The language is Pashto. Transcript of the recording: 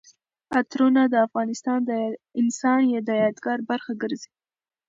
عطرونه د انسان د یادګار برخه ګرځي.